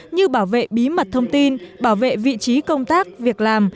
như bảo vệ bí mật thông tin bảo vệ vị trí công tác việc làm